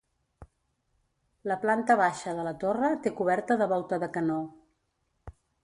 La planta baixa de la torre té coberta de volta de canó.